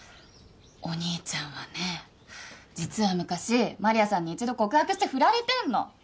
お兄ちゃんはね実は昔麻里亜さんに１度告白して振られてんの。